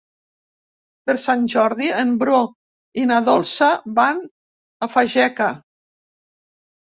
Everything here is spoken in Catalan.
Per Sant Jordi en Bru i na Dolça van a Fageca.